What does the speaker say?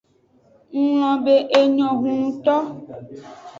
Nglobe enyo hunnuto.